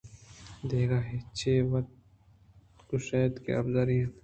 دگہ چے تو وت گوٛشت کہ آبیزاری اِنت